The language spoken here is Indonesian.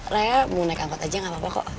raya mau naik angkot aja gak apa apa kok